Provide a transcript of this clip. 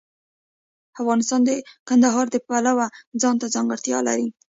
افغانستان د کندهار د پلوه ځانته ځانګړتیا لري.